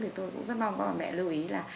thì tôi cũng rất mong các bà mẹ lưu ý là